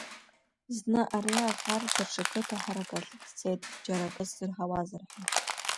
Зны ари аӷар даҽа қыҭа харак ахь дцеит џьара акы сзырҳауазар ҳәа.